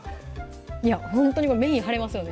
いやほんとにメイン張れますよね